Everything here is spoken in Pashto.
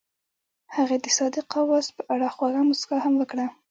هغې د صادق اواز په اړه خوږه موسکا هم وکړه.